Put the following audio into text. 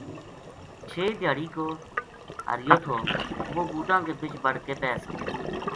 رچھ دھیاڑی کو ہریو تھو وہ بُوٹاں کے بچ بڑ کے بیس گیو